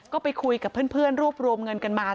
ก็ไปคุยกับเพื่อนรวบรวมเงินกันมา